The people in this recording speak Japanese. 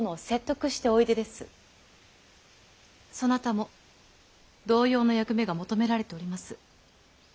そなたも同様の役目が求められております。